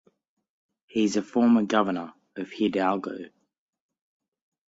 He is a former governor of Hidalgo.